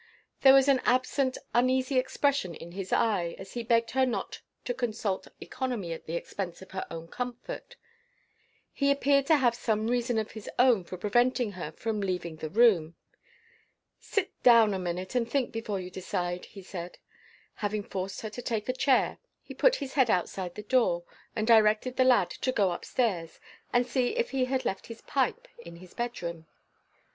There was an absent, uneasy expression in his eye as he begged her not to consult economy at the expense of her own comfort. He appeared to have some reason of his own for preventing her from leaving the room. "Sit d own a minute, and think before you decide," he said. Having forced her to take a chair, he put his head outside the door and directed the lad to go up stairs, and see if he had left his pipe in his bedroom.